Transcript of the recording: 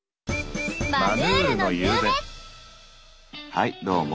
はいどうも。